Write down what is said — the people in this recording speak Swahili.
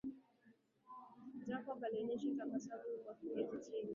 Jacob alionyesha tabasamu huku akiketi chini